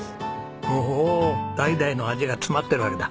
おお代々の味が詰まってるわけだ。